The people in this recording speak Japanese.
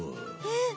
えっ？